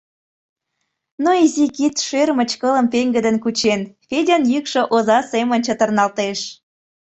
Но изи кид шӧрмыч кылым пеҥгыдын кучен, Федян йӱкшӧ оза семын чытырналтеш.